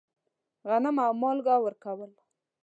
غنم او مالګه ورکول.